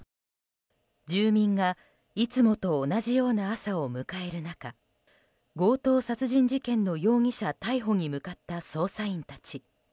住民がいつもと同じような朝を迎える中強盗殺人事件の容疑者逮捕に向かった捜査員たち。